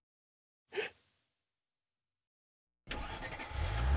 えっ？